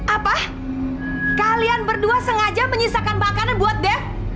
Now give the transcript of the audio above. apa kalian berdua sengaja menyisakan makanan buat deh